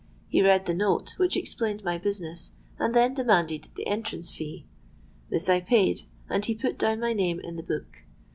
He read the note, which explained my business, and then demanded the entrance fee. This I paid; and he put down my name in the book.